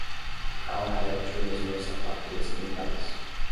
Há um réptil nos meus sapatos ocidentais.